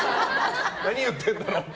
何言ってるんだろうって。